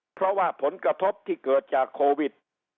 เพราะว่าผลกระทบที่เกิดจากโควิด